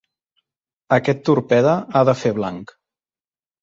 Aquest torpede ha de fer blanc.